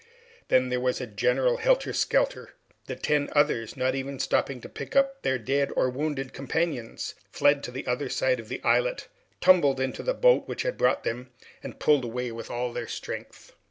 Then there was a general helter skelter. The ten others, not even stopping to pick up their dead or wounded companions, fled to the other side of the islet, tumbled into the boat which had brought them, and pulled away with all their strength.